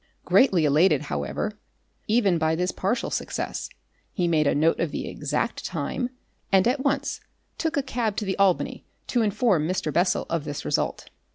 Greatly elated, however, even by this partial success, he made a note of the exact time, and at once took a cab to the Albany to inform Mr. Bessel of this result.